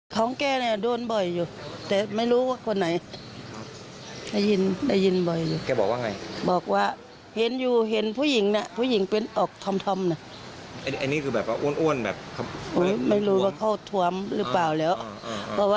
ไปคุยกับแฟนของดอกแก้วครับ